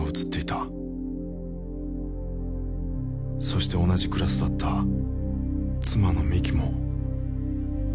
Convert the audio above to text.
そして同じクラスだった妻の美紀も